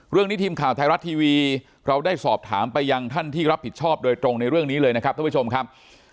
ทีมข่าวไทยรัฐทีวีเราได้สอบถามไปยังท่านที่รับผิดชอบโดยตรงในเรื่องนี้เลยนะครับท่านผู้ชมครับ